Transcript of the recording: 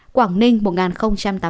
quảng ninh một tám mươi sáu